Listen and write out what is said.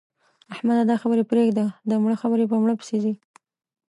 احمده! دا خبرې پرېږده؛ د مړه خبرې په مړه پسې ځي.